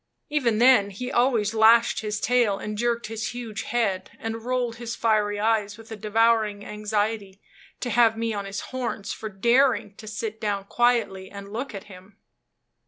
Even then he always lashed his tail, and jerked his huge head, and rolled his fiery eyes with a devouring anxiety to have me on his horns for daring to sit down quietly and look at him.